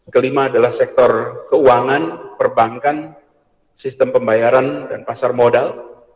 kelima adalah sektor keuangan perbankan sistem pembayaran dan pasar modal